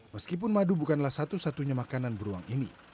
meskipun madu bukanlah satu satunya makanan beruang ini